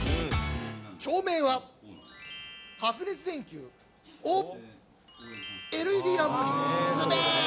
照明は白熱電球をＬＥＤランプにすべし。